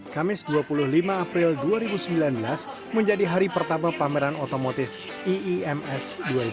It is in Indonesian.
kamis dua puluh lima april dua ribu sembilan belas menjadi hari pertama pameran otomotif iims dua ribu dua puluh